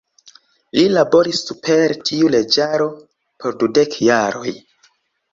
Li laboris super tiu leĝaro por dudek jaroj.